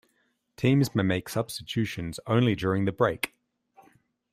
Teams may make substitutions only during the break.